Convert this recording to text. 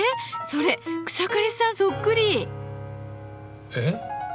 それ草刈さんそっくり！え？